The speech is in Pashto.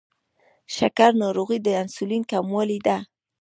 شکره ناروغي د انسولین کموالي ده.